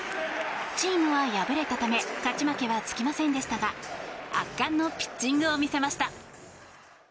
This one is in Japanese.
チームは敗れたため勝ち負けはつきませんでしたが圧巻のピッチングを見せました。